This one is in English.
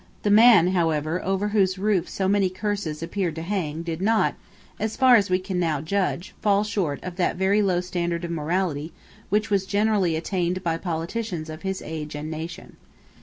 The man, however, over whose roof so many curses appeared to hang did not, as far as we can now judge, fall short of that very low standard of morality which was generally attained by politicians of his age and nation.